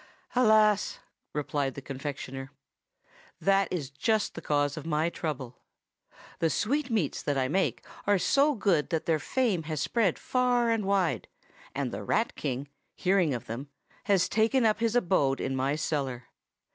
"'Alas!' replied the confectioner. 'That is just the cause of my trouble. The sweetmeats that I make are so good that their fame has spread far and wide, and the Rat King, hearing of them, has taken up his abode in my cellar.